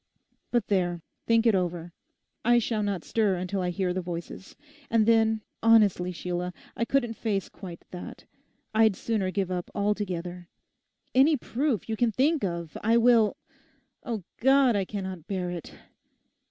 But there, think it over. I shall not stir until I hear the voices. And then: honestly, Sheila, I couldn't face quite that. I'd sooner give up altogether. Any proof you can think of—I will... O God, I cannot bear it!